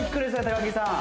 高木さん